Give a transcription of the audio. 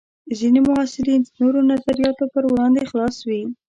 ځینې محصلین د نوو نظریاتو پر وړاندې خلاص وي.